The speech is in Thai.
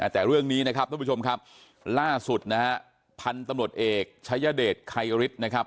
แต่เรื่องนี้นะครับท่านผู้ชมครับล่าสุดนะฮะพันธุ์ตำรวจเอกชายเดชไครฤทธิ์นะครับ